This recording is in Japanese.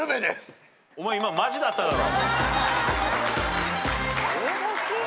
お前今マジだっただろ？